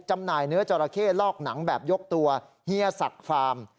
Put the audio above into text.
จำหน่ายเนื้อจราเข้ลอกหนังแบบยกตัวเฮียศักดิ์ฟาร์ม